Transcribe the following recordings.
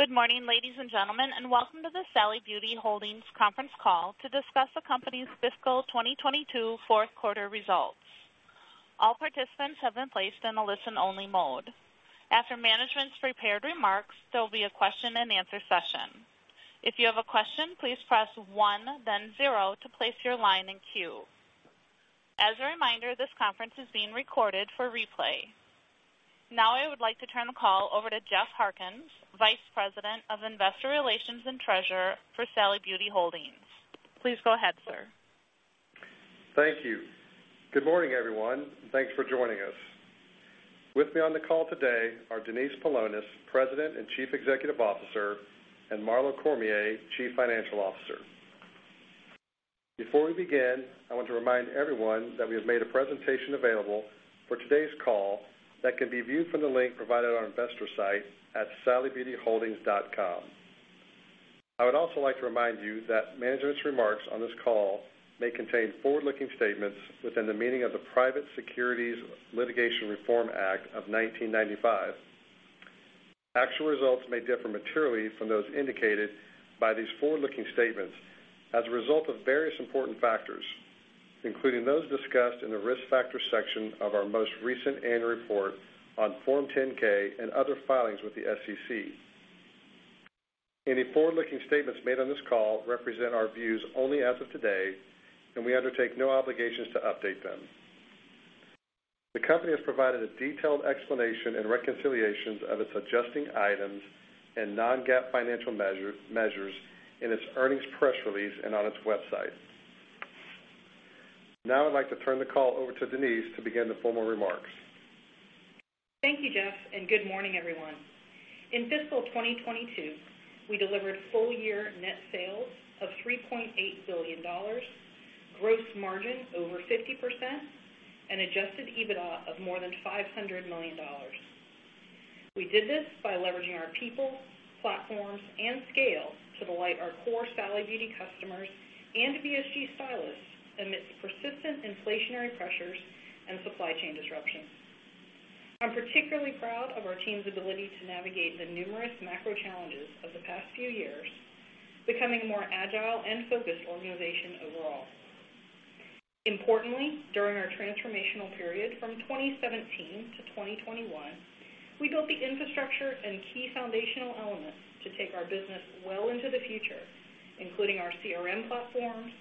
Good morning, ladies and gentlemen, and welcome to the Sally Beauty Holdings conference call to discuss the company's fiscal 2022 Q4 results. All participants have been placed in a listen-only mode. After management's prepared remarks, there will be a question-and-answer session. If you have a question, please press one, then zero to place your line in queue. As a reminder, this conference is being recorded for replay. Now I would like to turn the call over to Jeff Harkins, Vice President of Investor Relations and Treasurer for Sally Beauty Holdings. Please go ahead, sir. Thank you. Good morning, everyone, and thanks for joining us. With me on the call today are Denise Paulonis, President and Chief Executive Officer, and Marlo Cormier, Chief Financial Officer. Before we begin, I want to remind everyone that we have made a presentation available for today's call that can be viewed from the link provided on our investor site at sallybeautyholdings.com. I would also like to remind you that management's remarks on this call may contain forward-looking statements within the meaning of the Private Securities Litigation Reform Act of 1995. Actual results may differ materially from those indicated by these forward-looking statements as a result of various important factors, including those discussed in the Risk Factors section of our most recent annual report on Form 10-K and other filings with the SEC. Any forward-looking statements made on this call represent our views only as of today, and we undertake no obligations to update them. The company has provided a detailed explanation and reconciliations of its adjusting items and non-GAAP financial measures in its earnings press release and on its website. Now I'd like to turn the call over to Denise to begin the formal remarks. Thank you, Jeff, and good morning, everyone. In fiscal 2022, we delivered full year net sales of $3.8 billion, gross margin over 50% and adjusted EBITDA of more than $500 million. We did this by leveraging our people, platforms, and scale to delight our core Sally Beauty customers and BSG stylists amidst persistent inflationary pressures and supply chain disruptions. I'm particularly proud of our team's ability to navigate the numerous macro challenges of the past few years, becoming a more agile and focused organization overall. Importantly, during our transformational period from 2017 to 2021, we built the infrastructure and key foundational elements to take our business well into the future, including our CRM platforms,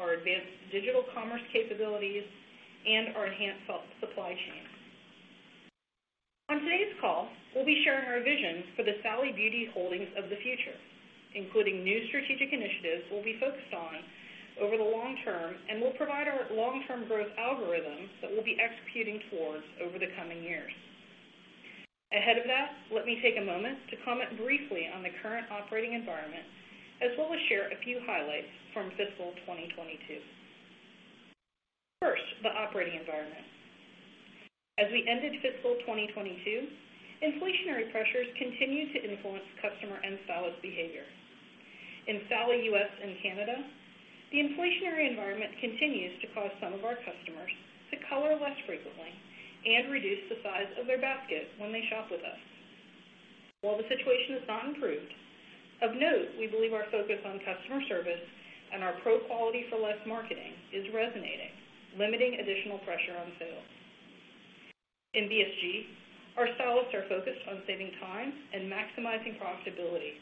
our advanced digital commerce capabilities, and our enhanced supply chain. On today's call, we'll be sharing our vision for the Sally Beauty Holdings of the future, including new strategic initiatives we'll be focused on over the long term, and we'll provide our long-term growth algorithm that we'll be executing towards over the coming years. Ahead of that, let me take a moment to comment briefly on the current operating environment, as well as share a few highlights from fiscal 2022. First, the operating environment. As we ended fiscal 2022, inflationary pressures continued to influence customer and stylist behavior. In Sally US and Canada, the inflationary environment continues to cause some of our customers to color less frequently and reduce the size of their basket when they shop with us. While the situation has not improved, of note, we believe our focus on customer service and our pro quality for less marketing is resonating, limiting additional pressure on sales. In BSG, our stylists are focused on saving time and maximizing profitability.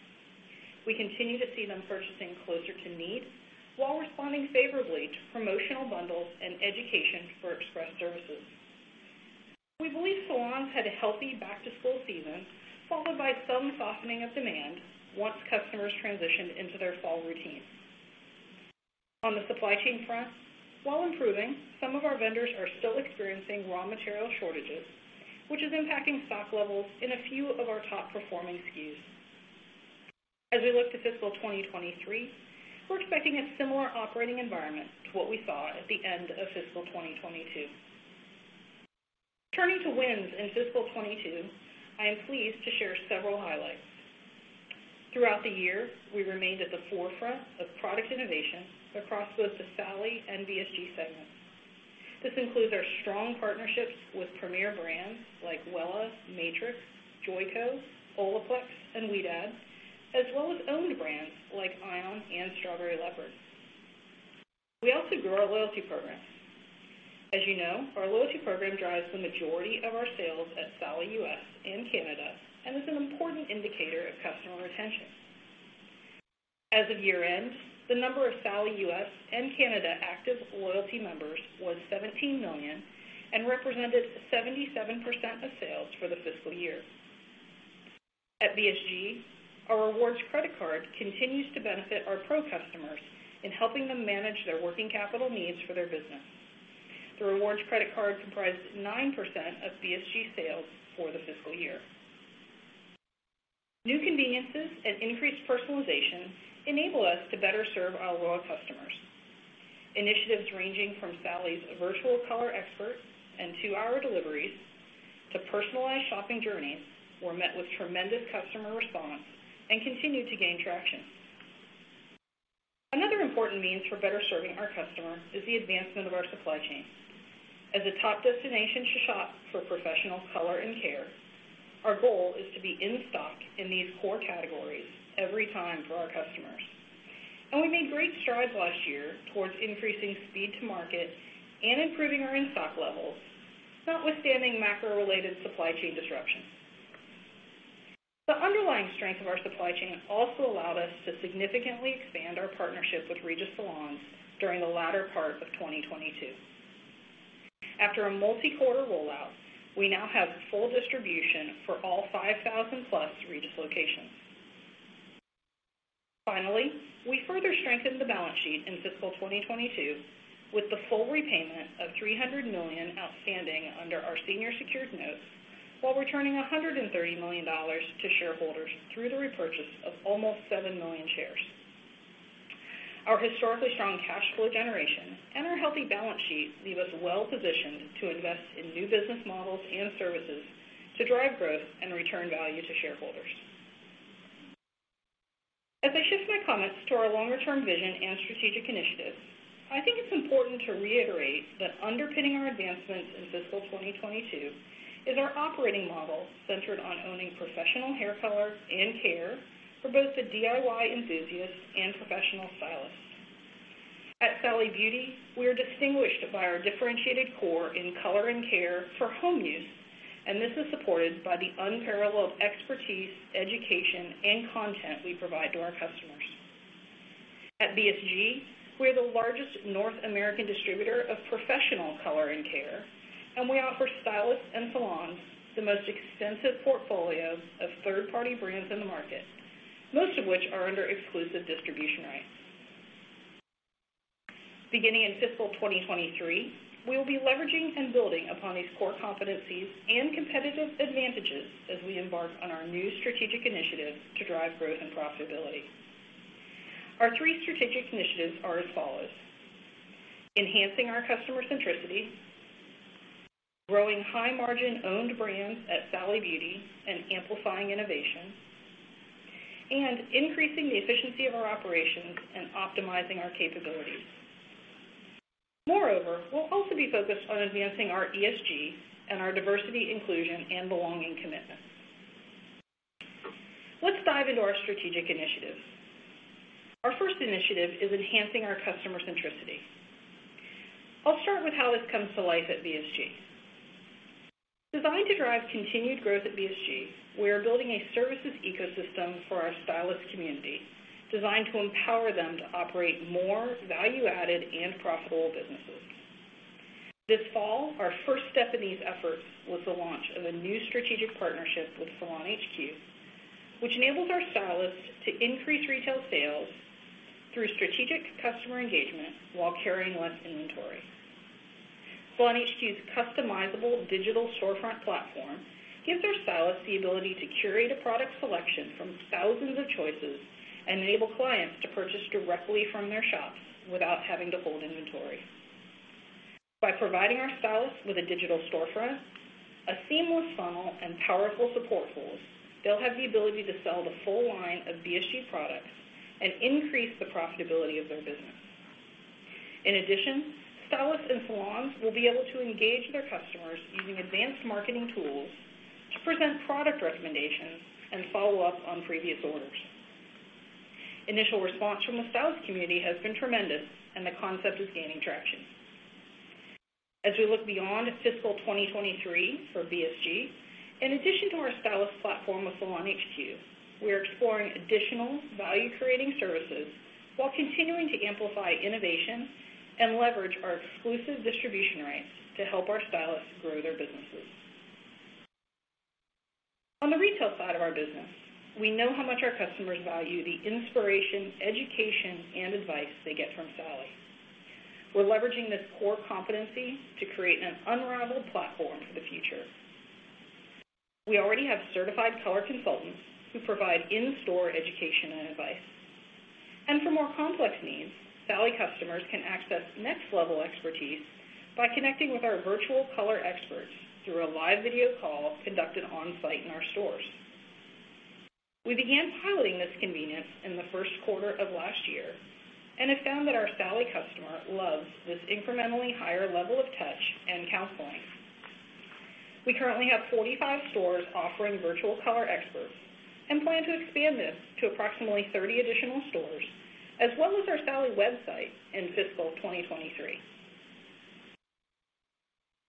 We continue to see them purchasing closer to need while responding favorably to promotional bundles and education for express services. We believe salons had a healthy back-to-school season, followed by some softening of demand once customers transitioned into their fall routine. On the supply chain front, while improving, some of our vendors are still experiencing raw material shortages, which is impacting stock levels in a few of our top-performing SKUs. As we look to fiscal 2023, we're expecting a similar operating environment to what we saw at the end of fiscal 2022. Turning to wins in fiscal 2022, I am pleased to share several highlights. Throughout the year, we remained at the forefront of product innovation across both the Sally and BSG segments. This includes our strong partnerships with premier brands like Wella, Matrix, Joico, Olaplex, and weDo as well as owned brands like ion and Strawberry Leopard. We also grew our loyalty program. As you know, our loyalty program drives the majority of our sales at Sally US and Canada and is an important indicator of customer retention. As of year-end, the number of Sally US and Canada active loyalty members was 17 million and represented 77% of sales for the fiscal year. At BSG, our rewards credit card continues to benefit our pro customers in helping them manage their working capital needs for their business. The rewards credit card comprised 9% of BSG sales for the fiscal year. New conveniences and increased personalization enable us to better serve our loyal customers. Initiatives ranging from Sally's virtual color expert and two-hour deliveries to personalized shopping journeys were met with tremendous customer response and continued to gain traction. Another important means for better serving our customer is the advancement of our supply chain. As a top destination to shop for professional color and care, our goal is to be in stock in these core categories every time for our customers. We made great strides last year towards increasing speed to market and improving our in-stock levels, notwithstanding macro-related supply chain disruptions. The underlying strength of our supply chain also allowed us to significantly expand our partnership with Regis Salons during the latter part of 2022. After a multi-quarter rollout, we now have full distribution for all 5,000+ Regis locations. Finally, we further strengthened the balance sheet in fiscal 2022 with the full repayment of $300 million outstanding under our senior secured notes, while returning $130 million to shareholders through the repurchase of almost 7 million shares. Our historically strong cash flow generation and our healthy balance sheet leave us well positioned to invest in new business models and services to drive growth and return value to shareholders. As I shift my comments to our longer-term vision and strategic initiatives, I think it's important to reiterate that underpinning our advancements in fiscal 2022 is our operating model centered on owning professional hair color and care for both the DIY enthusiasts and professional stylists. At Sally Beauty, we are distinguished by our differentiated core in color and care for home use, and this is supported by the unparalleled expertise, education, and content we provide to our customers. At BSG, we are the largest North American distributor of professional color and care, and we offer stylists and salons the most extensive portfolio of third-party brands in the market, most of which are under exclusive distribution rights. Beginning in fiscal 2023, we will be leveraging and building upon these core competencies and competitive advantages as we embark on our new strategic initiatives to drive growth and profitability. Our three strategic initiatives are as follows. Enhancing our customer centricity, growing high-margin owned brands at Sally Beauty and amplifying innovation, and increasing the efficiency of our operations and optimizing our capabilities. Moreover, we'll also be focused on advancing our ESG and our diversity, inclusion, and belonging commitments. Let's dive into our strategic initiatives. Our first initiative is enhancing our customer centricity. I'll start with how this comes to life at BSG. Designed to drive continued growth at BSG, we are building a services ecosystem for our stylist community designed to empower them to operate more value-added and profitable businesses. This fall, our first step in these efforts was the launch of a new strategic partnership with SalonHQ, which enables our stylists to increase retail sales through strategic customer engagement while carrying less inventory. SalonHQ's customizable digital storefront platform gives our stylists the ability to curate a product selection from thousands of choices and enable clients to purchase directly from their shops without having to hold inventory. By providing our stylists with a digital storefront, a seamless funnel, and powerful support tools, they'll have the ability to sell the full line of BSG products and increase the profitability of their business. In addition, stylists and salons will be able to engage their customers using advanced marketing tools to present product recommendations and follow up on previous orders. Initial response from the stylist community has been tremendous, and the concept is gaining traction. As we look beyond fiscal 2023 for BSG, in addition to our stylist platform with SalonHQ, we are exploring additional value-creating services while continuing to amplify innovation and leverage our exclusive distribution rights to help our stylists grow their businesses. On the retail side of our business, we know how much our customers value the inspiration, education, and advice they get from Sally. We're leveraging this core competency to create an unrivaled platform for the future. We already have certified color consultants who provide in-store education and advice. For more complex needs, Sally customers can access next-level expertise by connecting with our virtual color experts through a live video call conducted on-site in our stores. We began piloting this convenience in the Q1 of last year and have found that our Sally customer loves this incrementally higher level of touch and counseling. We currently have 45 stores offering virtual color experts and plan to expand this to approximately 30 additional stores as well as our Sally website in fiscal 2023.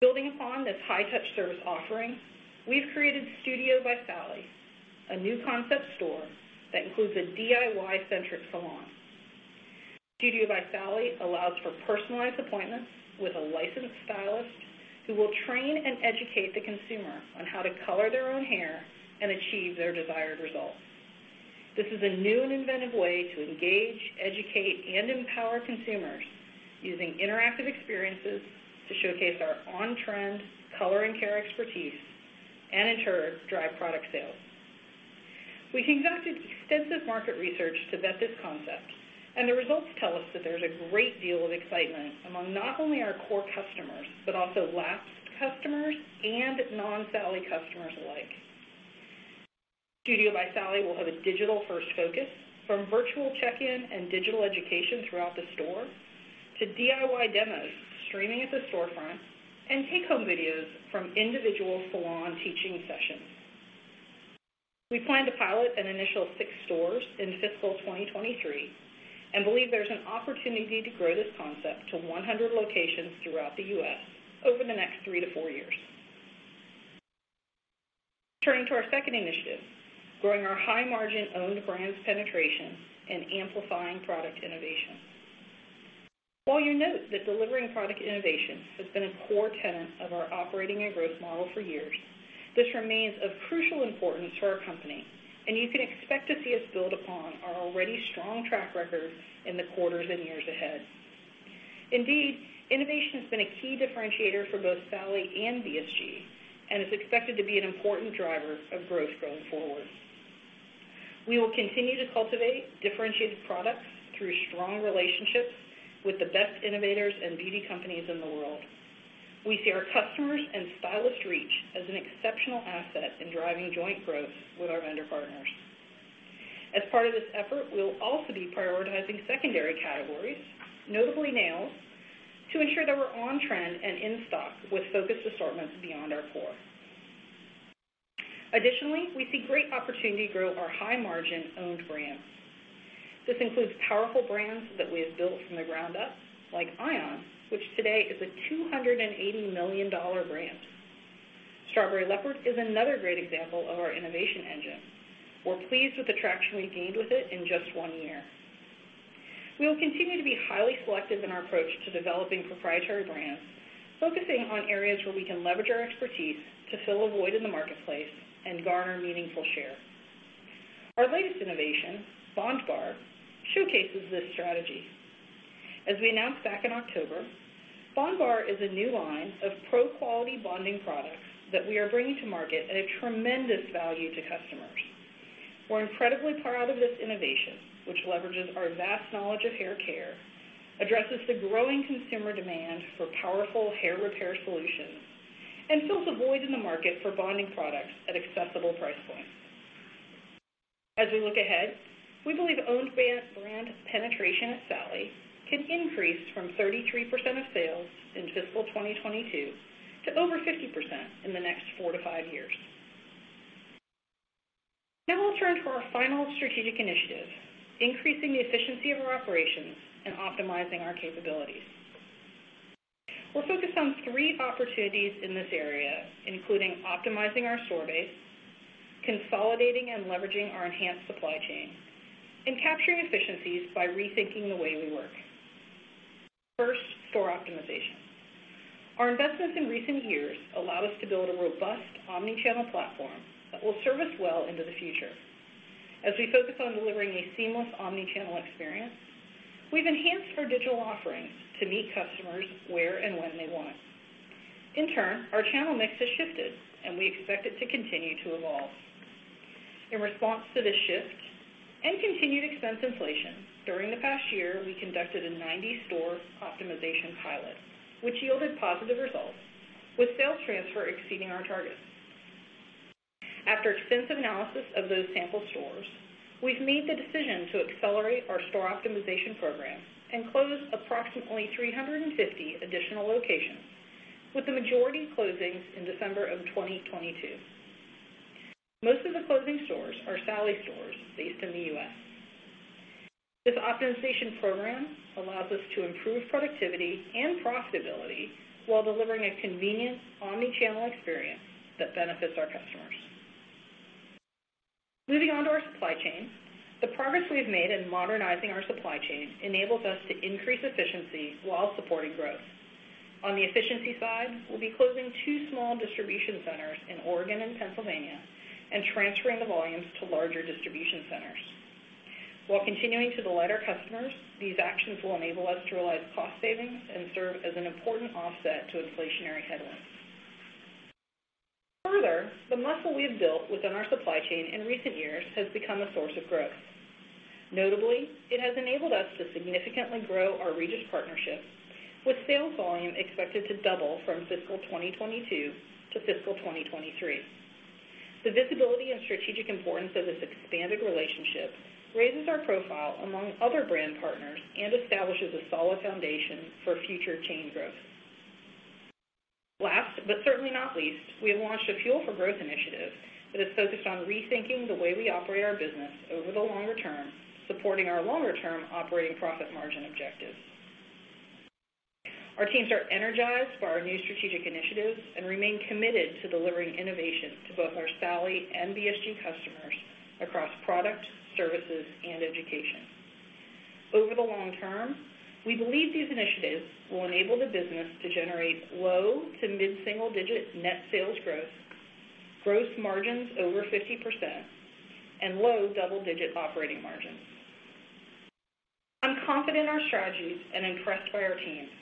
Building upon this high-touch service offering, we've created Studio By Sally, a new concept store that includes a DIY-centric salon. Studio By Sally allows for personalized appointments with a licensed stylist who will train and educate the consumer on how to color their own hair and achieve their desired results. This is a new and inventive way to engage, educate, and empower consumers using interactive experiences to showcase our on-trend color and care expertise and in turn, drive product sales. We conducted extensive market research to vet this concept, and the results tell us that there's a great deal of excitement among not only our core customers but also lapsed customers and non-Sally customers alike. Studio By Sally will have a digital-first focus from virtual check-in and digital education throughout the store to DIY demos, streaming at the storefront, and take-home videos from individual salon teaching sessions. We plan to pilot an initial 6 stores in fiscal 2023 and believe there's an opportunity to grow this concept to 100 locations throughout the U.S. over the next 3-4 years. Turning to our second initiative, growing our high margin owned brands penetration and amplifying product innovation. While you note that delivering product innovation has been a core tenet of our operating and growth model for years, this remains of crucial importance for our company, and you can expect to see us build upon our already strong track record in the quarters and years ahead. Indeed, innovation has been a key differentiator for both Sally and BSG, and is expected to be an important driver of growth going forward. We will continue to cultivate differentiated products through strong relationships with the best innovators and beauty companies in the world. We see our customers and stylist reach as an exceptional asset in driving joint growth with our vendor partners. As part of this effort, we'll also be prioritizing secondary categories, notably nails, to ensure that we're on trend and in stock with focused assortments beyond our core. Additionally, we see great opportunity to grow our high margin owned brands. This includes powerful brands that we have built from the ground up, like ion, which today is a $280 million brand. Strawberry Leopard is another great example of our innovation engine. We're pleased with the traction we've gained with it in just one year. We will continue to be highly selective in our approach to developing proprietary brands, focusing on areas where we can leverage our expertise to fill a void in the marketplace and garner meaningful share. Our latest innovation, bondbar, showcases this strategy. As we announced back in October, bondbar is a new line of pro-quality bonding products that we are bringing to market at a tremendous value to customers. We're incredibly proud of this innovation, which leverages our vast knowledge of hair care, addresses the growing consumer demand for powerful hair repair solutions, and fills a void in the market for bonding products at accessible price points. As we look ahead, we believe owned brand penetration at Sally can increase from 33% of sales in fiscal 2022 to over 50% in the next 4-5 years. Now we'll turn to our final strategic initiative, increasing the efficiency of our operations and optimizing our capabilities. We're focused on three opportunities in this area, including optimizing our store base, consolidating and leveraging our enhanced supply chain, and capturing efficiencies by rethinking the way we work. First, store optimization. Our investments in recent years allowed us to build a robust omni-channel platform that will serve us well into the future. As we focus on delivering a seamless omni-channel experience, we've enhanced our digital offerings to meet customers where and when they want it. In turn, our channel mix has shifted, and we expect it to continue to evolve. In response to this shift and continued expense inflation, during the past year, we conducted a 90-store optimization pilot, which yielded positive results with sales transfer exceeding our targets. After extensive analysis of those sample stores, we've made the decision to accelerate our store optimization program and close approximately 350 additional locations, with the majority closings in December of 2022. Most of the closing stores are Sally Beauty stores based in the U.S. This optimization program allows us to improve productivity and profitability while delivering a convenient omni-channel experience that benefits our customers. Moving on to our supply chain. The progress we've made in modernizing our supply chain enables us to increase efficiency while supporting growth. On the efficiency side, we'll be closing 2 small distribution centers in Oregon and Pennsylvania and transferring the volumes to larger distribution centers. While continuing to delight our customers, these actions will enable us to realize cost savings and serve as an important offset to inflationary headwinds. Further, the muscle we've built within our supply chain in recent years has become a source of growth. Notably, it has enabled us to significantly grow our Regis partnership with sales volume expected to double from fiscal 2022 to fiscal 2023. The visibility and strategic importance of this expanded relationship raises our profile among other brand partners and establishes a solid foundation for future chain growth. Last, but certainly not least, we have launched a Fuel for Growth initiative that is focused on rethinking the way we operate our business over the longer term, supporting our longer-term operating profit margin objectives. Our teams are energized by our new strategic initiatives and remain committed to delivering innovation to both our Sally and BSG customers across product, services, and education. Over the long term, we believe these initiatives will enable the business to generate low to mid-single digit net sales growth, gross margins over 50%, and low double-digit operating margins. I'm confident in our strategies and impressed by our teams,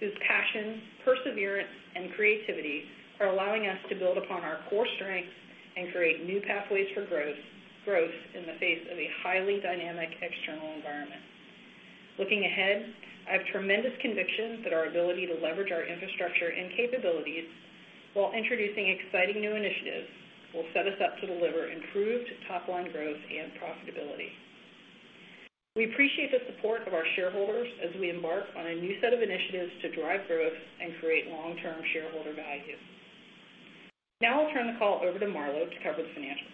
whose passion, perseverance, and creativity are allowing us to build upon our core strengths and create new pathways for growth in the face of a highly dynamic external environment. Looking ahead, I have tremendous conviction that our ability to leverage our infrastructure and capabilities while introducing exciting new initiatives will set us up to deliver improved top-line growth and profitability. We appreciate the support of our shareholders as we embark on a new set of initiatives to drive growth and create long-term shareholder value. Now I'll turn the call over to Marlo to cover the financials.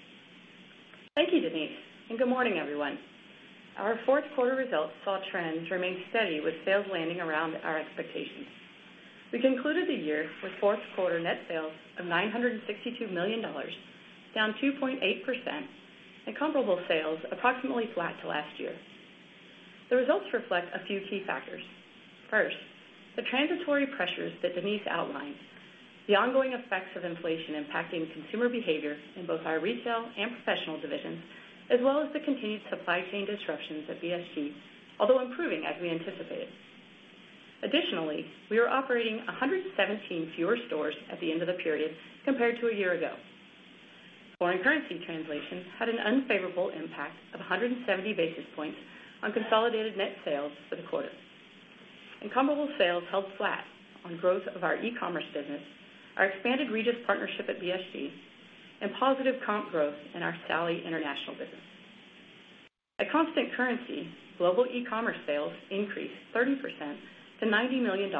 Thank you, Denise, and good morning, everyone. Our Q4 results saw trends remain steady, with sales landing around our expectations. We concluded the year with Q4 net sales of $962 million, down 2.8%, and comparable sales approximately flat to last year. The results reflect a few key factors. First, the transitory pressures that Denise outlined, the ongoing effects of inflation impacting consumer behavior in both our retail and professional divisions, as well as the continued supply chain disruptions at BSG, although improving as we anticipated. Additionally, we are operating 117 fewer stores at the end of the period compared to a year ago. Foreign currency translation had an unfavorable impact of 170 basis points on consolidated net sales for the quarter. Comparable sales held flat on growth of our e-commerce business, our expanded Regis partnership at BSG, and positive comp growth in our Sally International business. At constant currency, global e-commerce sales increased 30% to $90 million,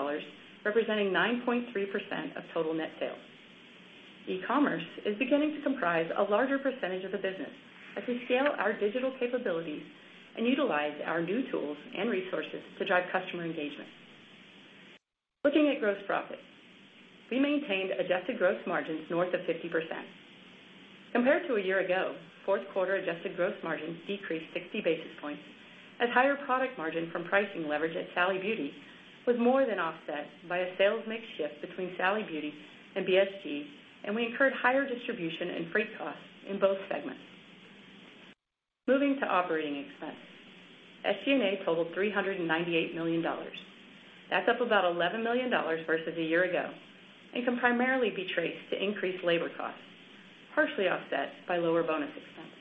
representing 9.3% of total net sales. E-commerce is beginning to comprise a larger percentage of the business as we scale our digital capabilities and utilize our new tools and resources to drive customer engagement. Looking at gross profit, we maintained adjusted gross margins north of 50%. Compared to a year ago, Q4 adjusted gross margins decreased 60 basis points as higher product margin from pricing leverage at Sally Beauty was more than offset by a sales mix shift between Sally Beauty and BSG, and we incurred higher distribution and freight costs in both segments. Moving to operating expense, SG&A totaled $398 million. That's up about $11 million versus a year ago and can primarily be traced to increased labor costs, partially offset by lower bonus expense.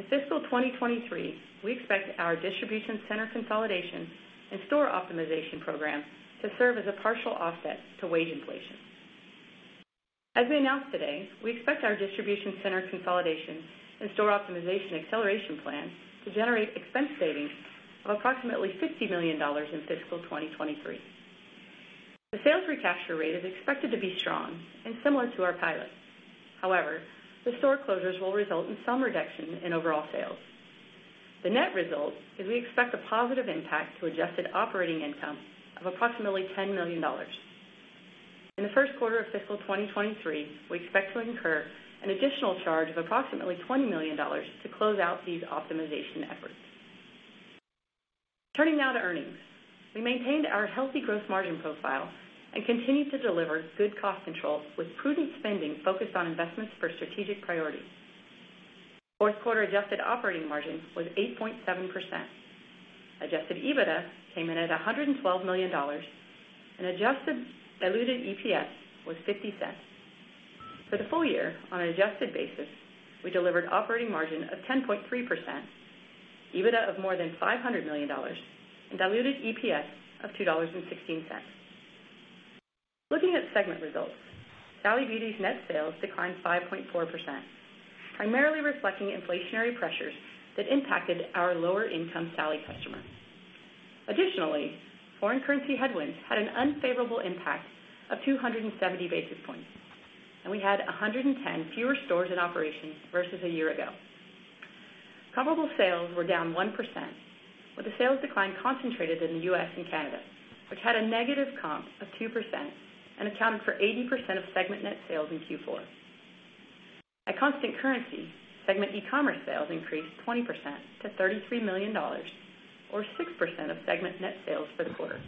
In fiscal 2023, we expect our distribution center consolidation and store optimization program to serve as a partial offset to wage inflation. As we announced today, we expect our distribution center consolidation and store optimization acceleration plan to generate expense savings of approximately $50 million in fiscal 2023. The sales recapture rate is expected to be strong and similar to our pilots. However, the store closures will result in some reduction in overall sales. The net result is we expect a positive impact to adjusted operating income of approximately $10 million. In the Q1 of fiscal 2023, we expect to incur an additional charge of approximately $20 million to close out these optimization efforts. Turning now to earnings, we maintained our healthy growth margin profile and continued to deliver good cost control with prudent spending focused on investments for strategic priorities. Q4 adjusted operating margin was 8.7%. Adjusted EBITDA came in at $112 million, and adjusted diluted EPS was $0.50. For the full year, on an adjusted basis, we delivered operating margin of 10.3%, EBITDA of more than $500 million, and diluted EPS of $2.16. Looking at segment results, Sally Beauty's net sales declined 5.4%, primarily reflecting inflationary pressures that impacted our lower-income Sally customers. Additionally, foreign currency headwinds had an unfavorable impact of 270 basis points, and we had 110 fewer stores in operation versus a year ago. Comparable sales were down 1%, with the sales decline concentrated in Sally US and Canada, which had a negative comp of 2% and accounted for 80% of segment net sales in Q4. At constant currency, segment e-commerce sales increased 20% to $33 million or 6% of segment net sales for the quarter.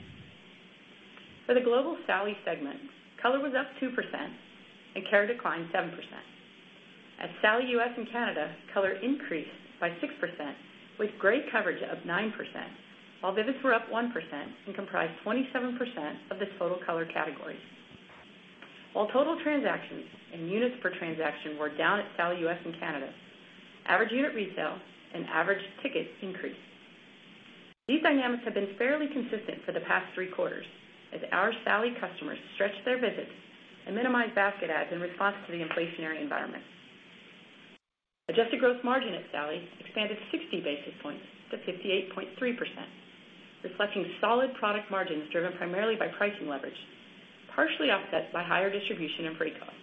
For the global Sally segment, color was up 2% and care declined 7%. At Sally US and Canada, color increased by 6% with gray coverage of 9%, while visits were up 1% and comprised 27% of the total color category. While total transactions and units per transaction were down at Sally US and Canada, average unit retail and average tickets increased. These dynamics have been fairly consistent for the past three quarters as our Sally customers stretch their visits and minimize basket adds in response to the inflationary environment. Adjusted gross margin at Sally expanded 60 basis points to 58.3%, reflecting solid product margins driven primarily by pricing leverage, partially offset by higher distribution and freight costs.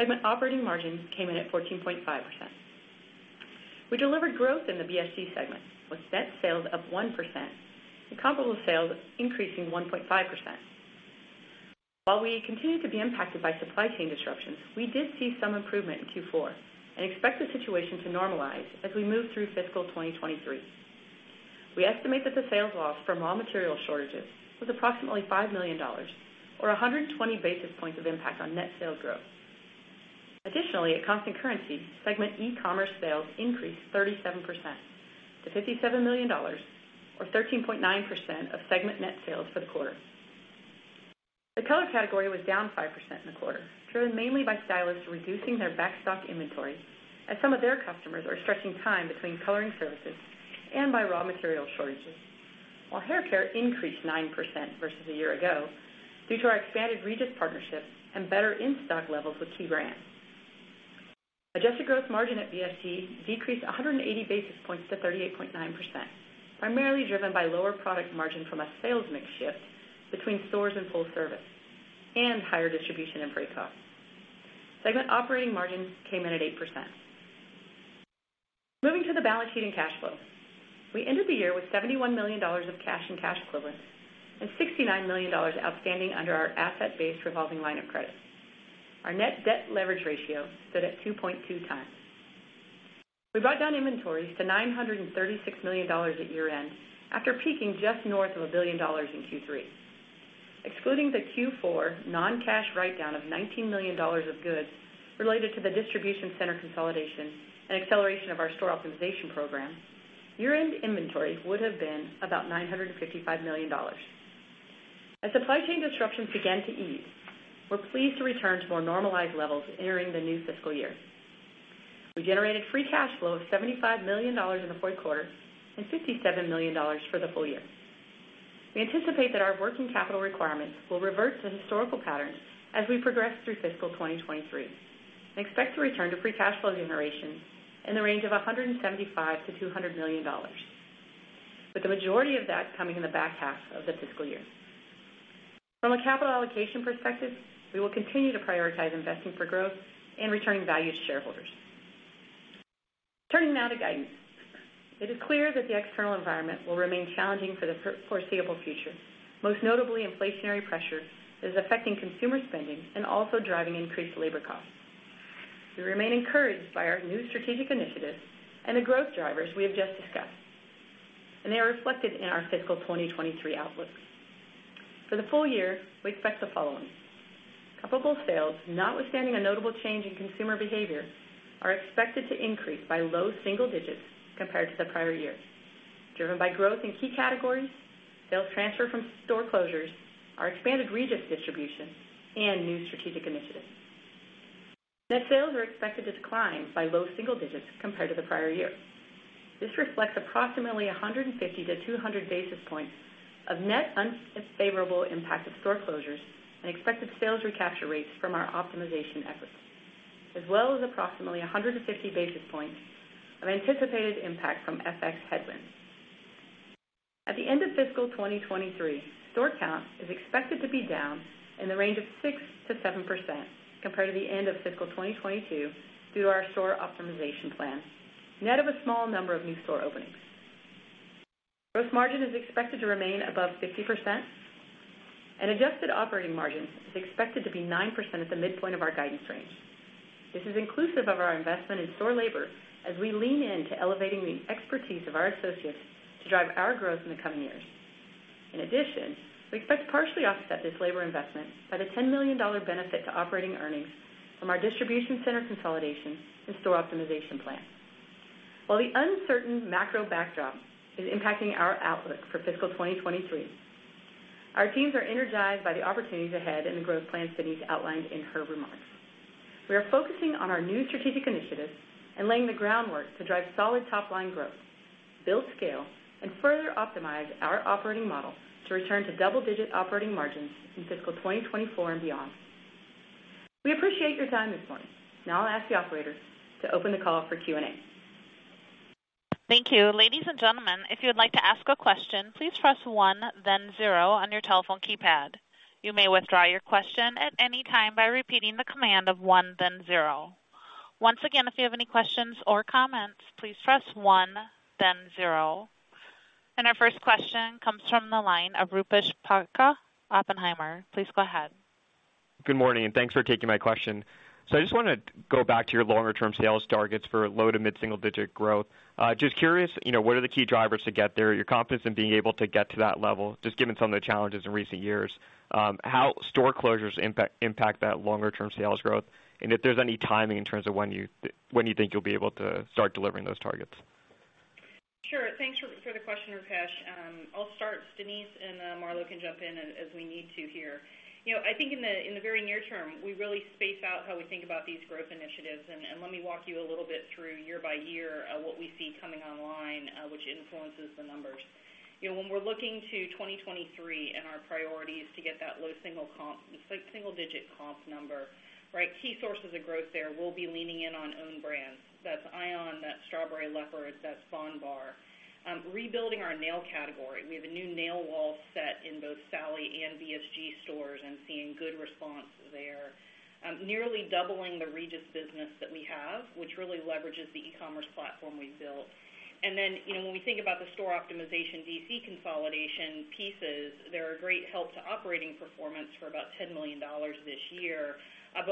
Segment operating margins came in at 14.5%. We delivered growth in the BSG segment, with net sales up 1% and comparable sales increasing 1.5%. While we continue to be impacted by supply chain disruptions, we did see some improvement in Q4 and expect the situation to normalize as we move through fiscal 2023. We estimate that the sales loss from raw material shortages was approximately $5 million or 120 basis points of impact on net sales growth. Additionally, at constant currency, segment e-commerce sales increased 37% to $57 million or 13.9% of segment net sales for the quarter. The color category was down 5% in the quarter, driven mainly by stylists reducing their backstock inventory as some of their customers are stretching time between coloring services and by raw material shortages. While haircare increased 9% versus a year ago due to our expanded Regis partnership and better in-stock levels with key brands. Adjusted gross margin at BSG decreased 180 basis points to 38.9%, primarily driven by lower product margin from a sales mix shift between stores and full service and higher distribution and freight costs. Segment operating margins came in at 8%. Moving to the balance sheet and cash flow. We ended the year with $71 million of cash and cash equivalents, and $69 million outstanding under our asset-based revolving line of credit. Our net debt leverage ratio stood at 2.2 times. We brought down inventories to $936 million at year-end, after peaking just north of $1 billion in Q3. Excluding the Q4 non-cash write-down of $19 million of goods related to the distribution center consolidation and acceleration of our store optimization program, year-end inventories would have been about $955 million. As supply chain disruptions began to ease, we're pleased to return to more normalized levels entering the new fiscal year. We generated free cash flow of $75 million in the Q4 and $57 million for the full year. We anticipate that our working capital requirements will revert to historical patterns as we progress through fiscal 2023 and expect to return to free cash flow generation in the range of $175 to 200 million, with the majority of that coming in the back half of the fiscal year. From a capital allocation perspective, we will continue to prioritize investing for growth and returning value to shareholders. Turning now to guidance. It is clear that the external environment will remain challenging for the foreseeable future. Most notably, inflationary pressure is affecting consumer spending and also driving increased labor costs. We remain encouraged by our new strategic initiatives and the growth drivers we have just discussed, and they are reflected in our fiscal 2023 outlook. For the full year, we expect the following. Comparable sales, notwithstanding a notable change in consumer behavior, are expected to increase by low double digits compared to the prior year, driven by growth in key categories, sales transfer from store closures, our expanded Regis distribution, and new strategic initiatives. Net sales are expected to decline by low single digits compared to the prior year. This reflects approximately 150 to 200 basis points of net unfavorable impact of store closures and expected sales recapture rates from our optimization efforts, as well as approximately 150 basis points of anticipated impact from FX headwinds. At the end of fiscal 2023, store count is expected to be down in the range of 6 to 7% compared to the end of fiscal 2022 due to our store optimization plan, net of a small number of new store openings. Gross margin is expected to remain above 50% and adjusted operating margin is expected to be 9% at the midpoint of our guidance range. This is inclusive of our investment in store labor as we lean in to elevating the expertise of our associates to drive our growth in the coming years. In addition, we expect to partially offset this labor investment by the $10 million benefit to operating earnings from our distribution center consolidation and store optimization plan. While the uncertain macro backdrop is impacting our outlook for fiscal 2023, our teams are energized by the opportunities ahead and the growth plans Denise outlined in her remarks. We are focusing on our new strategic initiatives and laying the groundwork to drive solid top-line growth, build scale, and further optimize our operating model to return to double-digit operating margins in fiscal 2024 and beyond. We appreciate your time this morning. Now I'll ask the operator to open the call for Q&A. Thank you. Ladies and gentlemen, if you would like to ask a question, please press one then zero on your telephone keypad. You may withdraw your question at any time by repeating the command of one then zero. Once again, if you have any questions or comments, please press one then zero. Our first question comes from the line of Rupesh Parikh, Oppenheimer. Please go ahead. Good morning, and thanks for taking my question. I just wanna go back to your longer term sales targets for low- to mid-single-digit growth. Just curious, you know, what are the key drivers to get there? Are you confident in being able to get to that level, just given some of the challenges in recent years? How store closures impact that longer term sales growth, and if there's any timing in terms of when you think you'll be able to start delivering those targets. Sure. Thanks for the question, Rupesh. I'll start, Denise and Marlo can jump in as we need to here. You know, I think in the very near term, we really space out how we think about these growth initiatives, and let me walk you a little bit through year by year, what we see coming online, which influences the numbers. You know, when we're looking to 2023 and our priority is to get that low single-digit comp number, right, key sources of growth there will be leaning in on own brands. That's ion, that's Strawberry Leopard, that's bondbar. Rebuilding our nail category. We have a new nail wall set in both Sally and BSG stores and seeing good response there. Nearly doubling the Regis business that we have, which really leverages the e-commerce platform we've built. You know, when we think about the store optimization DC consolidation pieces, they're a great help to operating performance for about $10 million this year.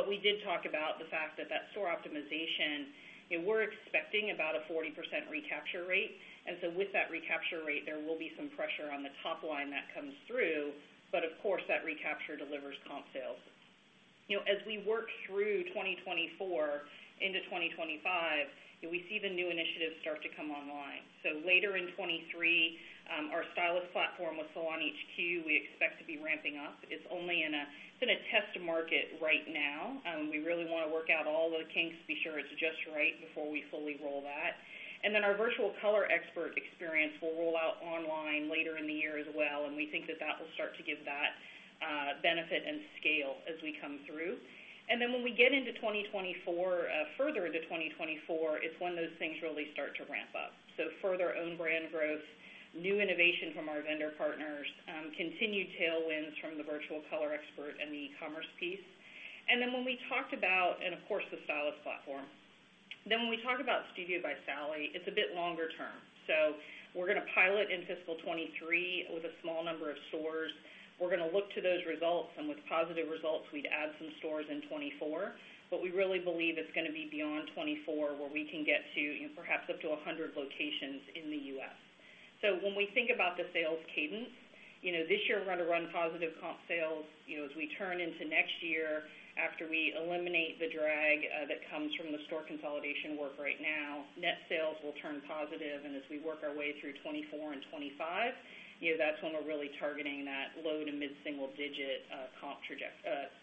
We did talk about the fact that store optimization, you know, we're expecting about a 40% recapture rate. With that recapture rate, there will be some pressure on the top line that comes through, but of course, that recapture delivers comp sales. You know, as we work through 2024 into 2025, you know, we see the new initiatives start to come online. Later in 2023, our stylist platform with SalonHQ, we expect to be ramping up. It's in a test market right now. We really wanna work out all the kinks to be sure it's just right before we fully roll that. Our virtual color expert experience will roll out online later in the year as well, and we think that will start to give that benefit and scale as we come through. When we get into 2024, further into 2024, it's when those things really start to ramp up. Further own brand growth, new innovation from our vendor partners, continued tailwinds from the virtual color expert and the e-commerce piece. Of course, the stylist platform. When we talk about Studio By Sally, it's a bit longer term. We're gonna pilot in fiscal 2023 with a small number of stores. We're gonna look to those results, and with positive results, we'd add some stores in 2024. We really believe it's gonna be beyond 2024, where we can get to, you know, perhaps up to 100 locations in the US. When we think about the sales cadence, you know, this year we're gonna run positive comp sales. You know, as we turn into next year after we eliminate the drag, that comes from the store consolidation work right now, net sales will turn positive. As we work our way through 2024 and 2025, you know, that's when we're really targeting that low- to mid-single-digit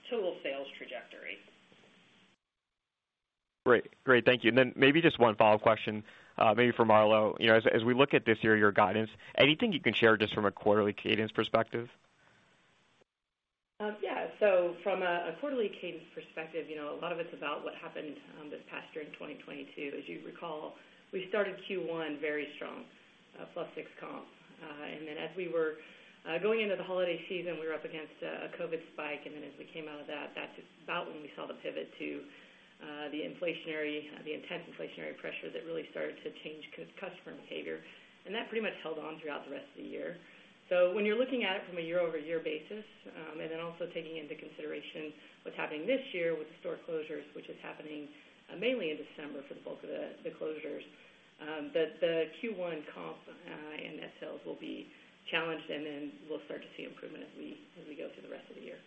total sales trajectory. Great, thank you. Maybe just one follow-up question, maybe for Marlo. You know, as we look at this year, your guidance, anything you can share just from a quarterly cadence perspective? From a quarterly cadence perspective, you know, a lot of it's about what happened this past year in 2022. As you recall, we started Q1 very strong, +6% comp. As we were going into the holiday season, we were up against a COVID spike. As we came out of that's about when we saw the pivot to the intense inflationary pressure that really started to change customer behavior. That pretty much held on throughout the rest of the year. When you're looking at it from a year-over-year basis, and then also taking into consideration what's happening this year with the store closures, which is happening mainly in December for the bulk of the closures, the Q1 comp and net sales will be challenged, and then we'll start to see improvement as we go through the rest of the year.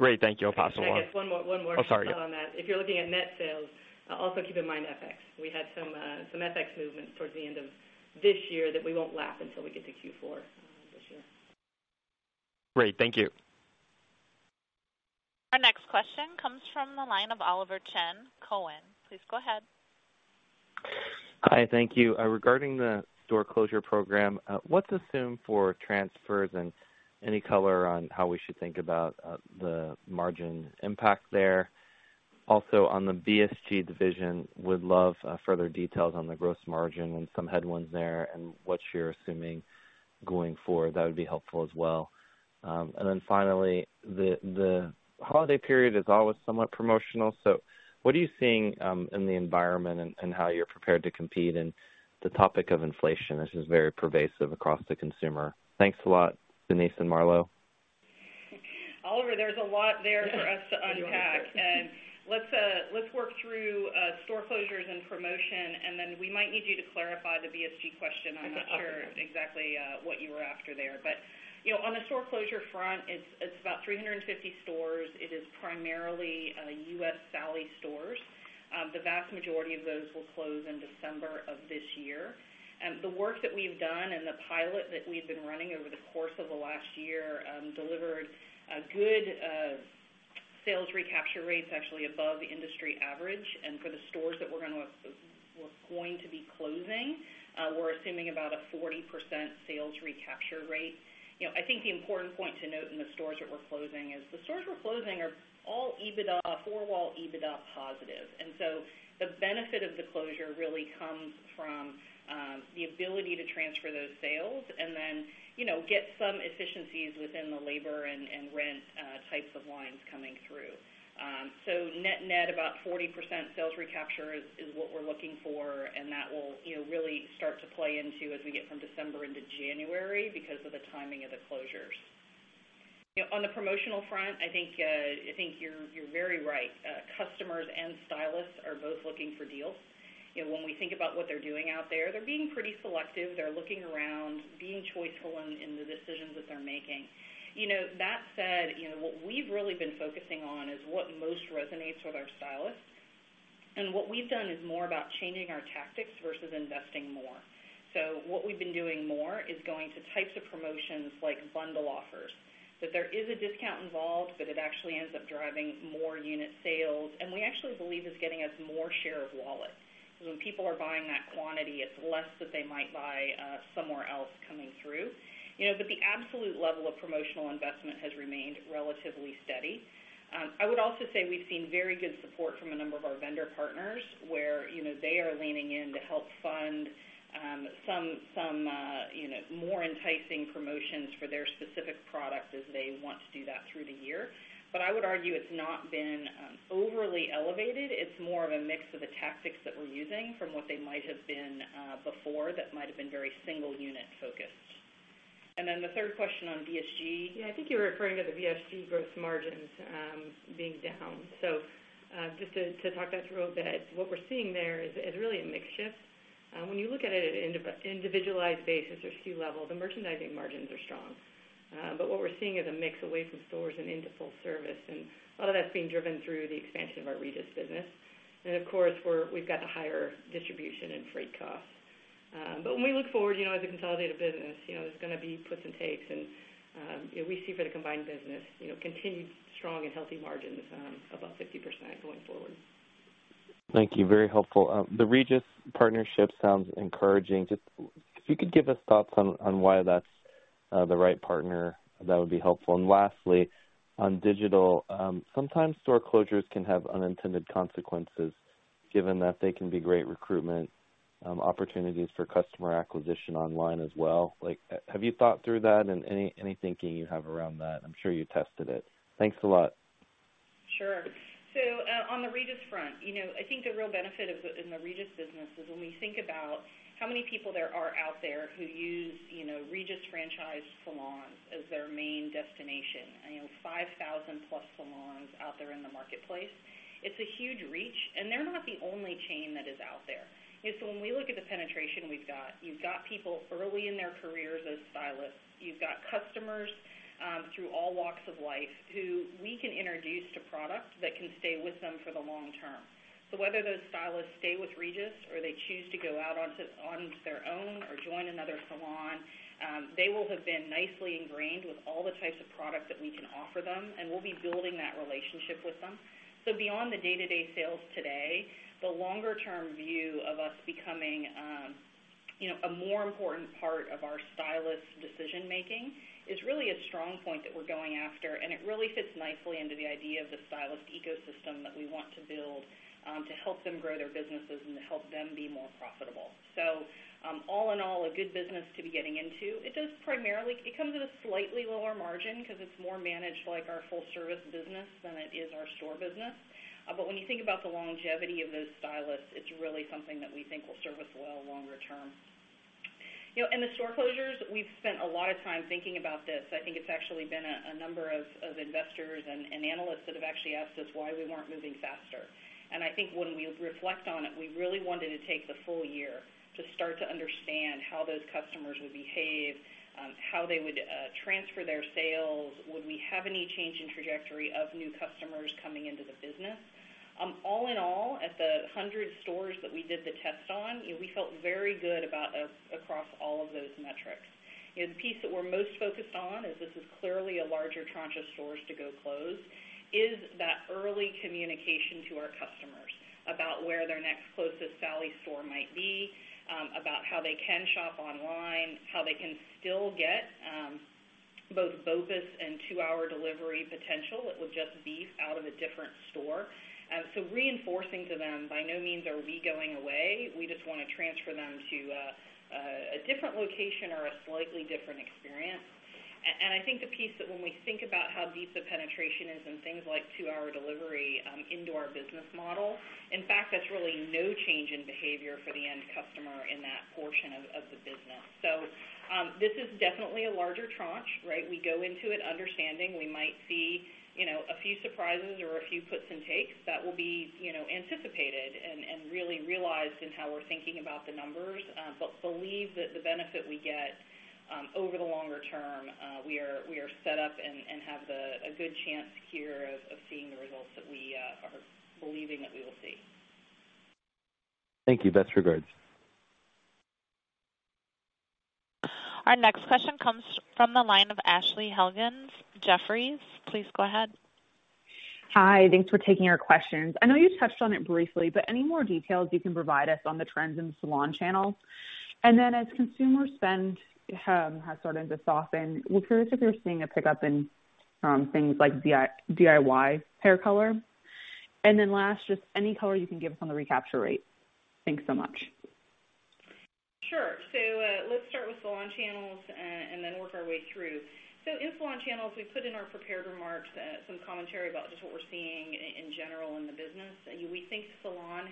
Great. Thank you. I'll pass along. I guess one more. Oh, sorry. Go ahead. Comment on that. If you're looking at net sales, also keep in mind FX. We had some FX movement towards the end of this year that we won't lap until we get to Q4 this year. Great. Thank you. Our next question comes from the line of Oliver Chen, Cowen. Please go ahead. Hi. Thank you. Regarding the store closure program, what's assumed for transfers, and any color on how we should think about the margin impact there? Also, on the BSG division, would love further details on the gross margin and some headwinds there and what you're assuming going forward. That would be helpful as well. Finally, the holiday period is always somewhat promotional, so what are you seeing in the environment and how you're prepared to compete in the topic of inflation, as is very pervasive across the consumer? Thanks a lot, Denise and Marlo. Oliver, there's a lot there for us to unpack. Let's work through store closures and promotion, and then we might need you to clarify the BSG question. Okay. I'm not sure exactly what you were after there. You know, on the store closure front, it's about 350 stores. It is primarily US Sally stores. The vast majority of those will close in December of this year. The work that we've done and the pilot that we've been running over the course of the last year delivered a good sales recapture rates, actually above industry average. For the stores that we're going to be closing, we're assuming about a 40% sales recapture rate. You know, I think the important point to note in the stores that we're closing is the stores we're closing are all EBITDA, four-wall EBITDA positive. The benefit of the closure really comes from the ability to transfer those sales and then, you know, get some efficiencies within the labor and rent types of lines coming through. So net-net, about 40% sales recapture is what we're looking for, and that will, you know, really start to play into as we get from December into January because of the timing of the closures. You know, on the promotional front, I think you're very right. Customers and stylists are both looking for deals. You know, when we think about what they're doing out there, they're being pretty selective. They're looking around, being choiceful in the decisions that they're making. You know, that said, you know, what we've really been focusing on is what most resonates with our stylists. What we've done is more about changing our tactics versus investing more. What we've been doing more is going to types of promotions like bundle offers, that there is a discount involved, but it actually ends up driving more unit sales, and we actually believe is getting us more share of wallet, because when people are buying that quantity, it's less that they might buy, somewhere else coming through. You know, the absolute level of promotional investment has remained relatively steady. I would also say we've seen very good support from a number of our vendor partners, where, you know, they are leaning in to help fund, some, you know, more enticing promotions for their specific product as they want to do that through the year. I would argue it's not been overly elevated. It's more of a mix of the tactics that we're using from what they might have been before that might've been very single unit focused. Then the third question on BSG. Yeah. I think you're referring to the BSG gross margins. Being down. Just to talk that through a bit, what we're seeing there is really a mix shift. When you look at it at an individualized basis or SKU level, the merchandising margins are strong. But what we're seeing is a mix away from stores and into full service, and a lot of that's being driven through the expansion of our Regis business. Of course, we've got the higher distribution and freight costs. But when we look forward, you know, as a consolidated business, you know, there's gonna be puts and takes, and we see for the combined business, you know, continued strong and healthy margins, above 50% going forward. Thank you. Very helpful. The Regis partnership sounds encouraging. Just if you could give us thoughts on why that's the right partner, that would be helpful. Lastly, on digital, sometimes store closures can have unintended consequences given that they can be great recruitment opportunities for customer acquisition online as well. Like, have you thought through that and any thinking you have around that? I'm sure you tested it. Thanks a lot. Sure. On the Regis front, you know, I think the real benefit in the Regis business is when we think about how many people there are out there who use, you know, Regis-franchised salons as their main destination. You know, 5,000+ salons out there in the marketplace. It's a huge reach, and they're not the only chain that is out there. When we look at the penetration we've got, you've got people early in their careers as stylists. You've got customers through all walks of life who we can introduce to products that can stay with them for the long term. Whether those stylists stay with Regis or they choose to go out onto their own or join another salon, they will have been nicely ingrained with all the types of product that we can offer them, and we'll be building that relationship with them. Beyond the day-to-day sales today, the longer term view of us becoming, you know, a more important part of our stylist decision-making is really a strong point that we're going after, and it really fits nicely into the idea of the stylist ecosystem that we want to build, to help them grow their businesses and to help them be more profitable. All in all, a good business to be getting into. It comes at a slightly lower margin 'cause it's more managed like our full service business than it is our store business. When you think about the longevity of those stylists, it's really something that we think will serve us well longer term. You know, the store closures, we've spent a lot of time thinking about this. I think it's actually been a number of investors and analysts that have actually asked us why we weren't moving faster. I think when we reflect on it, we really wanted to take the full year to start to understand how those customers would behave, how they would transfer their sales. Would we have any change in trajectory of new customers coming into the business? All in all, at the 100 stores that we did the test on, you know, we felt very good about across all of those metrics. You know, the piece that we're most focused on, as this is clearly a larger tranche of stores to go close, is that early communication to our customers about where their next closest Sally store might be, about how they can shop online, how they can still get both BOPUS and two-hour delivery potential with just these out of a different store. Reinforcing to them, by no means are we going away. We just wanna transfer them to a different location or a slightly different experience. And I think the piece that, when we think about how deep the penetration is in things like two-hour delivery into our business model, in fact, that's really no change in behavior for the end customer in that portion of the business. This is definitely a larger tranche, right? We go into it understanding we might see, you know, a few surprises or a few puts and takes that will be, you know, anticipated and really realized in how we're thinking about the numbers. Believe that the benefit we get over the longer term, we are set up and have a good chance here of seeing the results that we are believing that we will see. Thank you. Best regards. Our next question comes from the line of Ashley Helgans, Jefferies. Please go ahead. Hi. Thanks for taking our questions. I know you touched on it briefly, but any more details you can provide us on the trends in the salon channels? As consumers' spending has started to soften, we're curious if you're seeing a pickup in things like DIY hair color. Last, just any color you can give us on the recapture rate. Thanks so much. Sure. Let's start with salon channels and then work our way through. In salon channels, we put in our prepared remarks, some commentary about just what we're seeing in general in the business. We think salon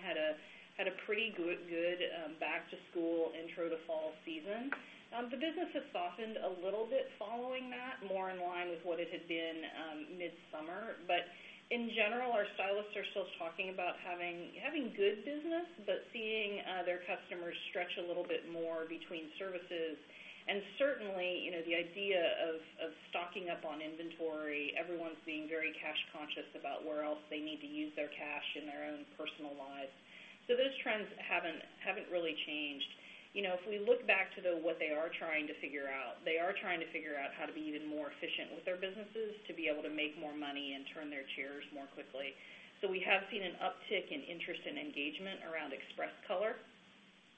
had a pretty good back to school intro to fall season. The business has softened a little bit following that, more in line with what it had been, midsummer. In general, our stylists are still talking about having good business, but seeing their customers stretch a little bit more between services. Certainly, you know, the idea of stocking up on inventory, everyone's being very cash conscious about where else they need to use their cash in their own personal lives. Those trends haven't really changed. You know, if we look back to what they are trying to figure out, they are trying to figure out how to be even more efficient with their businesses to be able to make more money and turn their chairs more quickly. We have seen an uptick in interest and engagement around express color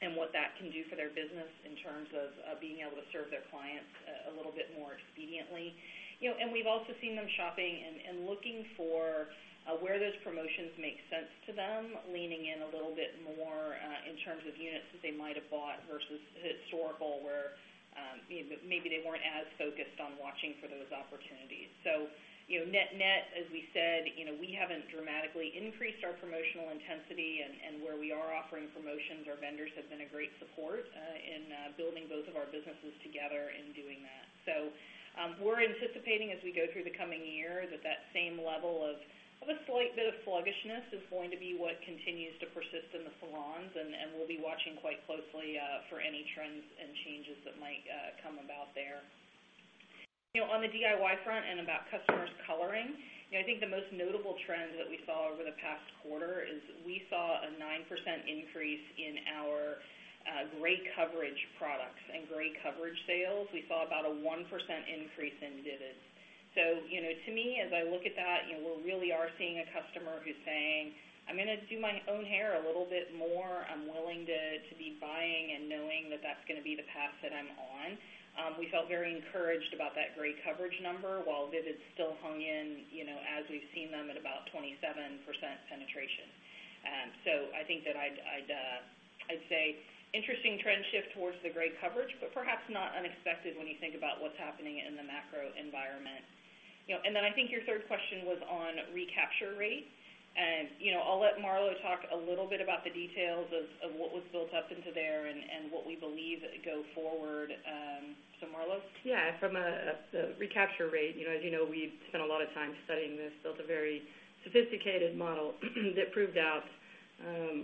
and what that can do for their business in terms of being able to serve their clients a little bit more expediently. You know, we've also seen them shopping and looking for where those promotions make sense to them, leaning in a little bit more in terms of units that they might have bought versus historical, where you know, maybe they weren't as focused on watching for those opportunities. You know, net-net, as we said, you know, we haven't dramatically increased our promotional intensity, and where we are offering promotions, our vendors have been a great support in building both of our businesses together in doing that. We're anticipating as we go through the coming year that that same level of a slight bit of sluggishness is going to be what continues to persist in the salons, and we'll be watching quite closely for any trends and changes that might come about there. You know, on the DIY front and about customers coloring, you know, I think the most notable trend that we saw over the past quarter is we saw a 9% increase in our gray coverage products and gray coverage sales. We saw about a 1% increase in Vivids. You know, to me, as I look at that, you know, we really are seeing a customer who's saying, "I'm gonna do my own hair a little bit more. I'm willing to be buying and knowing that that's gonna be the path that I'm on." We felt very encouraged about that gray coverage number while Vivids still hung in, you know, as we've seen them at about 27% penetration. So I think that I'd say interesting trend shift towards the gray coverage, but perhaps not unexpected when you think about what's happening in the macro environment. You know, and then I think your third question was on recapture rate. You know, I'll let Marlo talk a little bit about the details of what was built up into there and what we believe go forward. So Marlo. Yeah. From the recapture rate, you know, as you know, we've spent a lot of time studying this, built a very sophisticated model that proved out,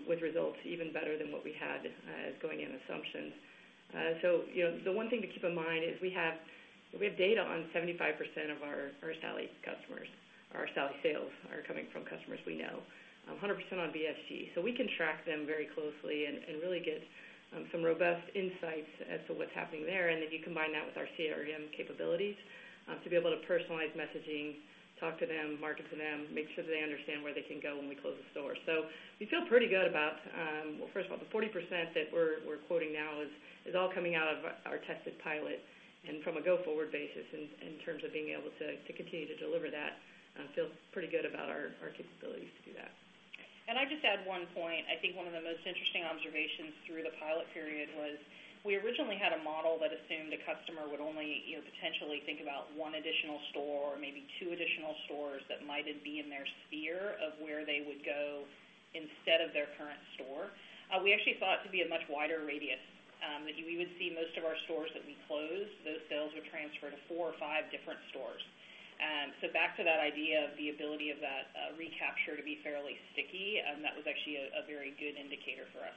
with results even better than what we had as going in assumptions. You know, the one thing to keep in mind is we have data on 75% of our Sally customers. Our Sally sales are coming from customers we know. 100% on BSG. We can track them very closely and really get some robust insights as to what's happening there. If you combine that with our CRM capabilities, to be able to personalize messaging, talk to them, market to them, make sure that they understand where they can go when we close the store. We feel pretty good about, well, first of all, the 40% that we're quoting now is all coming out of our tested pilot and from a go-forward basis in terms of being able to continue to deliver that. Feel pretty good about our capabilities to do that. I'd just add one point. I think one of the most interesting observations through the pilot period was we originally had a model that assumed a customer would only, you know, potentially think about one additional store or maybe two additional stores that might even be in their sphere of where they would go instead of their current store. We actually thought it to be a much wider radius, that we would see most of our stores that we closed, those sales would transfer to four or five different stores. Back to that idea of the ability of that recapture to be fairly sticky, that was actually a very good indicator for us.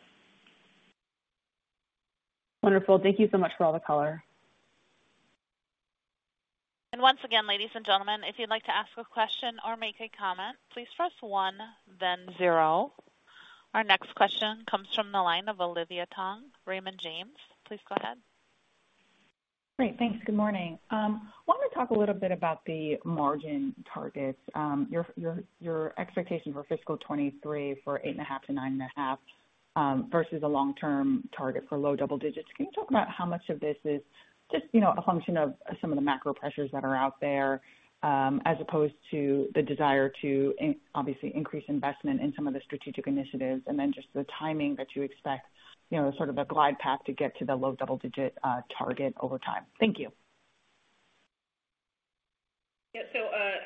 Wonderful. Thank you so much for all the color. Once again, ladies and gentlemen, if you'd like to ask a question or make a comment, please press one, then zero. Our next question comes from the line of Olivia Tong, Raymond James. Please go ahead. Great. Thanks. Good morning. I wanna talk a little bit about the margin targets, your expectation for fiscal 2023 for 8.5 to 9.5%, versus the long-term target for low double digits. Can you talk about how much of this is just, you know, a function of some of the macro pressures that are out there, as opposed to the desire to obviously increase investment in some of the strategic initiatives, and then just the timing that you expect, you know, sort of the glide path to get to the low double-digit target over time. Thank you. Yeah.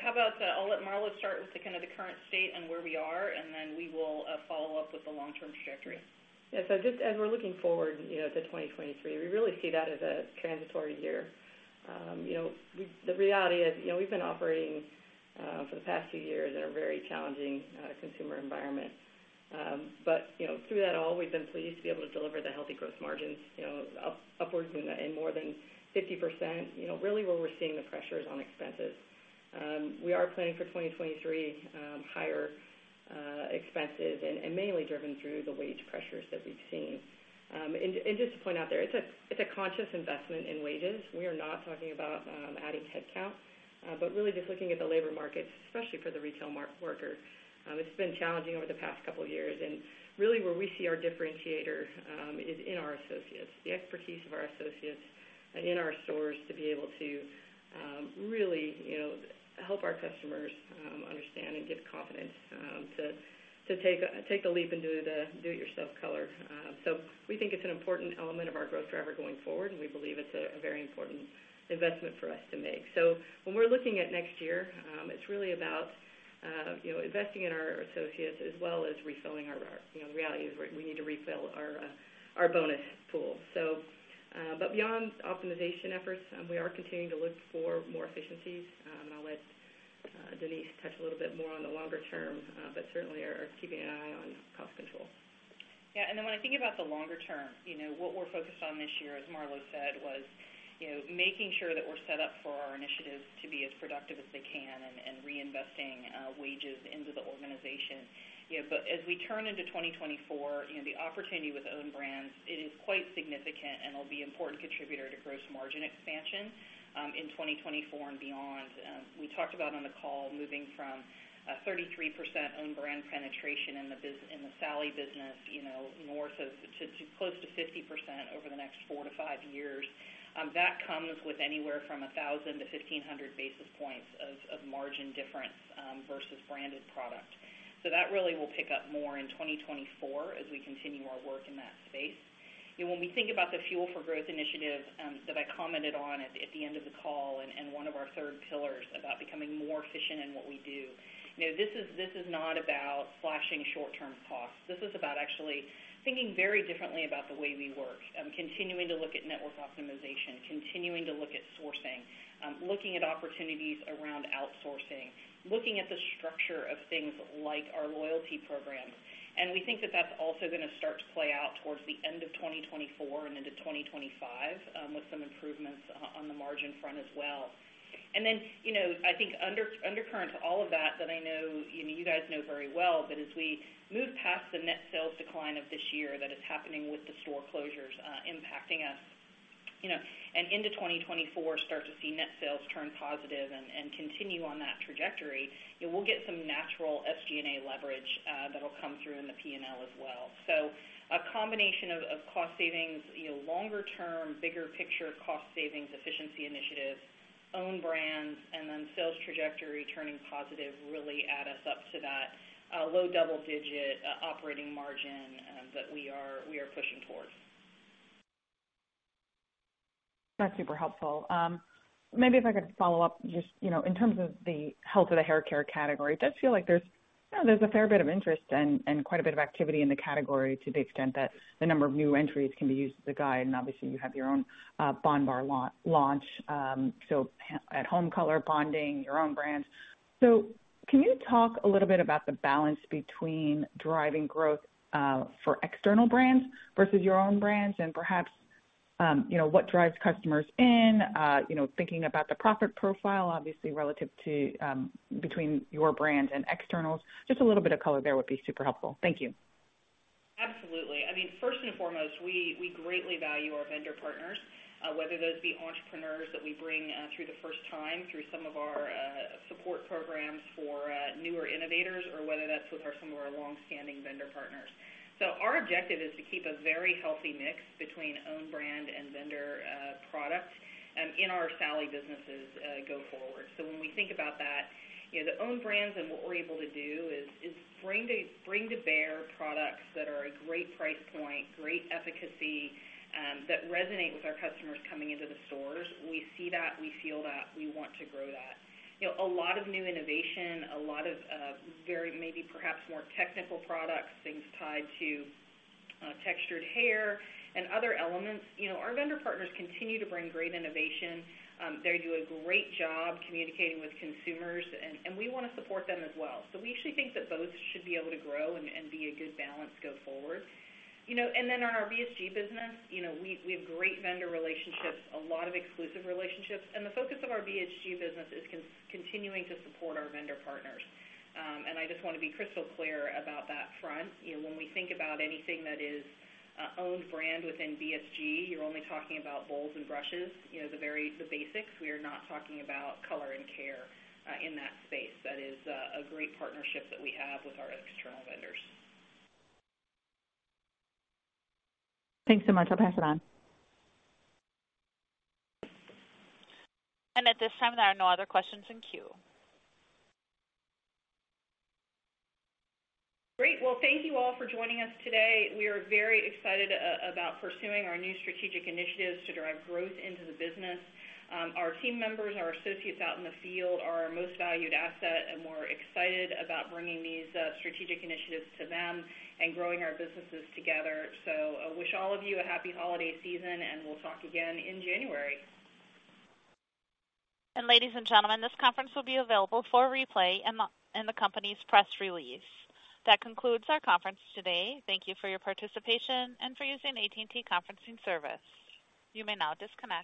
How about, I'll let Marlo start with the kind a current state and where we are, and then we will follow up with the long-term trajectory. Just as we're looking forward, you know, to 2023, we really see that as a transitory year. You know, the reality is, you know, we've been operating for the past few years in a very challenging consumer environment. You know, through that all, we've been pleased to be able to deliver the healthy growth margins, you know, upwards in more than 50%. Really, where we're seeing the pressure is on expenses. We are planning for 2023 higher expenses and mainly driven through the wage pressures that we've seen. Just to point out there, it's a conscious investment in wages. We are not talking about adding headcount, but really just looking at the labor markets, especially for the retail worker. It's been challenging over the past couple of years. Really, where we see our differentiator is in our associates, the expertise of our associates and in our stores to be able to really, you know, help our customers understand and give confidence to take the leap and do-it-yourself color. We think it's an important element of our growth driver going forward, and we believe it's a very important investment for us to make. When we're looking at next year, it's really about you know, investing in our associates as well as refilling our you know, realities where we need to refill our bonus pool. But beyond optimization efforts, we are continuing to look for more efficiencies. I'll let Denise touch a little bit more on the longer term but certainly are keeping an eye on cost control. Yeah. When I think about the longer term, you know, what we're focused on this year, as Marlo said, was, you know, making sure that we're set up for our initiatives to be as productive as they can and reinvesting wages into the organization. You know, as we turn into 2024, you know, the opportunity with own brands, it is quite significant and will be important contributor to gross margin expansion in 2024 and beyond. We talked about on the call moving from 33% own brand penetration in the Sally business, you know, more so to close to 50% over the next 4-5 years. That comes with anywhere from 1,000 to 1,500 basis points of margin difference versus branded product. That really will pick up more in 2024 as we continue our work in that space. You know, when we think about the Fuel for Growth initiative, that I commented on at the end of the call and one of our third pillars about becoming more efficient in what we do, you know, this is not about slashing short-term costs. This is about actually thinking very differently about the way we work, continuing to look at network optimization, continuing to look at sourcing, looking at opportunities around outsourcing, looking at the structure of things like our loyalty programs. We think that that's also gonna start to play out towards the end of 2024 and into 2025, with some improvements on the margin front as well. You know, I think undercurrent to all of that I know, you know, you guys know very well, that as we move past the net sales decline of this year that is happening with the store closures, impacting us, you know, and into 2024 start to see net sales turn positive and continue on that trajectory, you know, we'll get some natural SG&A leverage, that'll come through in the P&L as well. A combination of cost savings, you know, longer term, bigger picture cost savings efficiency initiatives, own brands, and then sales trajectory turning positive really add us up to that low double digit operating margin that we are pushing towards. That's super helpful. Maybe if I could follow up just, you know, in terms of the health of the haircare category, it does feel like there's, you know, there's a fair bit of interest and quite a bit of activity in the category to the extent that the number of new entries can be used as a guide. Obviously, you have your own, bondbar launch, so at home color bonding your own brands. Can you talk a little bit about the balance between driving growth, for external brands versus your own brands? Perhaps, you know, what drives customers in, you know, thinking about the profit profile, obviously relative to, between your brands and externals. Just a little bit of color there would be super helpful. Thank you. Absolutely. I mean, first and foremost, we greatly value our vendor partners, whether those be entrepreneurs that we bring through the first time through some of our support programs for newer innovators or whether that's with some of our long-standing vendor partners. Our objective is to keep a very healthy mix between own brand and vendor product in our Sally businesses go forward. When we think about that, you know, the own brands and what we're able to do is bring to bear products that are a great price point, great efficacy, that resonate with our customers coming into the stores. We see that, we feel that we want to grow that. You know, a lot of new innovation, a lot of very maybe perhaps more technical products, things tied to textured hair and other elements. You know, our vendor partners continue to bring great innovation. They do a great job communicating with consumers, and we wanna support them as well. We actually think that both should be able to grow and be a good balance go forward. You know, in our BSG business, you know, we have great vendor relationships, a lot of exclusive relationships, and the focus of our BSG business is continuing to support our vendor partners. I just wanna be crystal clear about that front. You know, when we think about anything that is own brand within BSG, you're only talking about bowls and brushes, you know, the very basics. We are not talking about color and care, in that space. That is, a great partnership that we have with our external vendors. Thanks so much. I'll pass it on. At this time, there are no other questions in queue. Great. Well, thank you all for joining us today. We are very excited about pursuing our new strategic initiatives to drive growth into the business. Our team members, our associates out in the field are our most valued asset, and we're excited about bringing these strategic initiatives to them and growing our businesses together. I wish all of you a happy holiday season, and we'll talk again in January. Ladies and gentlemen, this conference will be available for replay in the company's press release. That concludes our conference today. Thank you for your participation and for using AT&T Conferencing Service. You may now disconnect.